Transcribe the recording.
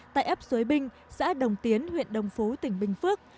tại ấp suối binh xã đồng tiến huyện đồng phú tỉnh bình phước